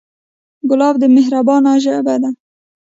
ګلاب د مهربانۍ ژبه ده.